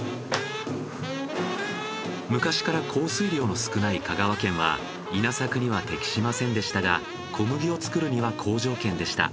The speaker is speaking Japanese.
昔から降水量の少ない香川県は稲作には適しませんでしたが小麦を作るには好条件でした。